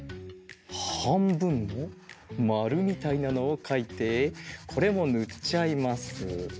はんぶんのまるみたいなのをかいてこれもぬっちゃいます。